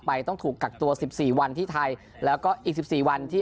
ต้องถูกกักตัว๑๔วันที่ไทยแล้วก็อีกสิบสี่วันที่